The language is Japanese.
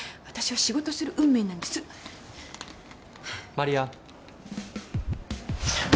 私は仕事する運命なんです。